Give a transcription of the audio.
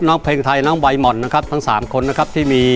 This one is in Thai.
น้องเพลงไทยน้องวัยม่อนนะครับ